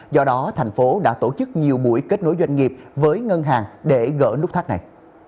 do đó thành phố đã tổ chức nhiều buổi kết nối doanh nghiệp với ngân hàng để gỡ nút thắt này